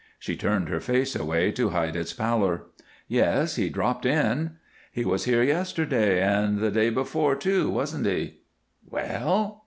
She turned her face away to hide its pallor. "Yes. He dropped in." "He was here yesterday, and the day before, too, wasn't he?" "Well?"